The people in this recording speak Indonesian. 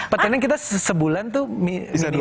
pertandingan kita sebulan tuh minimal dua